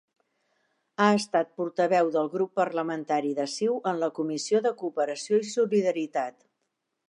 Ha estat portaveu del grup parlamentari de CiU en la Comissió de Cooperació i Solidaritat.